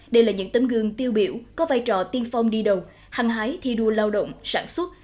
đây là những tấm gương tiêu biểu có vai trò tiên phong đi đầu hăng hái thi đua lao động sản xuất